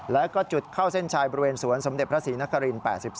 แล้วก็จุดเข้าเส้นชายบริเวณสวนสมเด็จพระศรีนคริน๘๒